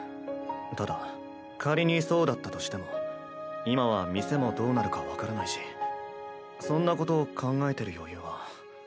ただ仮にそうだったとしても今は店もどうなるか分からないしそんなこと考えてる余裕は。